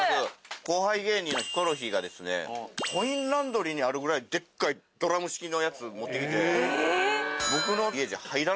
後輩芸人のヒコロヒーがコインランドリーにあるぐらいデッカいドラム式のやつ持ってきて。